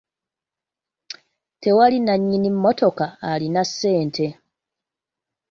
Tewali nnannyini mmotoka alina ssente.